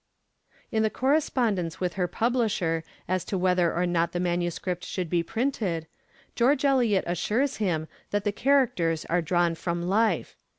IV In the correspondence with her publisher as to whether or not the manuscript should be printed, George Eliot assures him that the characters are drawn from life.